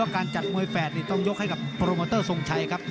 การจัดหมวยแฝดต้องยกให้เบอร์โหมเตอร์ท่านศงชัยครับ